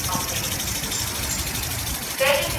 که څوک له ټولني ګوښه وي، هغه به پردی پاته سي.